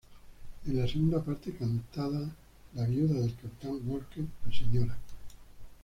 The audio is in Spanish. En la segunda parte cantada, la viuda del Capitán Walker, la Sra.